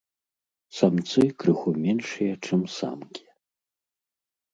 Самцы крыху меншыя, чым самкі.